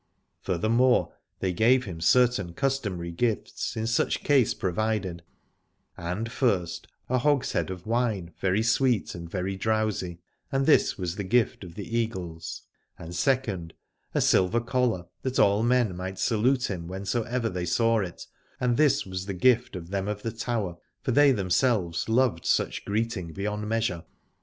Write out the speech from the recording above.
Furthermore they gave him certain customary gifts in such case provided : and first, a hogshead of wine, very sweet and very drowsy, and this was the gift of the Eagles ; and second, a silver collar, that all men might salute him whensoever they saw it, and this was the gift of them of the Tower, for they themselves loved such greeting beyond measure.